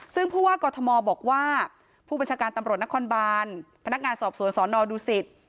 ซึ่งผู้ว่ากอทมบอกว่าผู้บัญชาการตำรวจนครบานพนักงานสอบสวนสอนอดูสิต